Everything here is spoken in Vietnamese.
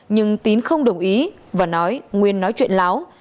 nhưng tín không đồng ý và nói nguyên nói chuyện láo